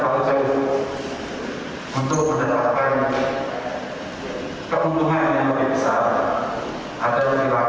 tergantung untuk mendapatkan keuntungan yang lebih besar ada di lagu lagu yang